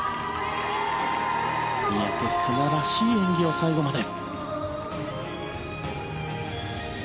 三宅星南らしい演技を最後まで。